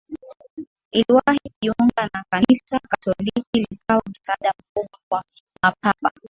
liliwahi kujiunga na Kanisa Katoliki likawa msaada mkubwa kwa Mapapa